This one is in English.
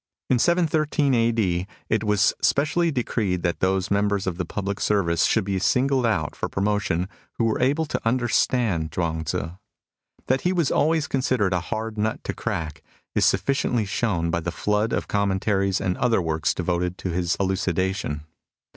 In 713 a.d., it was specially decreed that those members of the public service should be singled out for promotion who were able to understand Chuang Tzu. That he was always considered a hard nut to crack is suffi ciently shown by the flood of commentaries and other works devoted to his elucidation.